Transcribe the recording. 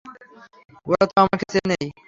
ওরা তো আমাকে চেনেই।